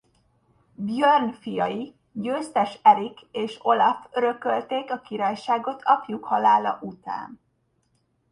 Björn fiai Győztes Erik és Olaf örökölték a királyságot apjuk halála után.